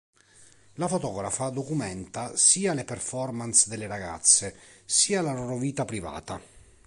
La fotografa documenta sia le performance delle ragazze, sia la loro vita privata.